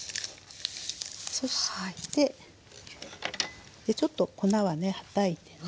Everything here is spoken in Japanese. そしてちょっと粉はねはたいてね。